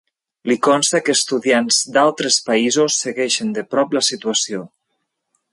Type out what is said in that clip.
Li consta que estudiants d'altres països segueixen de prop la situació.